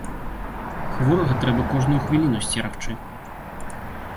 Хворага трэба кожную хвіліну сцерагчы.